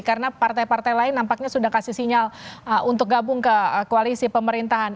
karena partai partai lain nampaknya sudah kasih sinyal untuk gabung ke koalisi pemerintahan